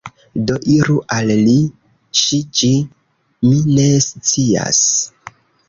Do, iru al li, ŝi, ĝi, mi ne scias.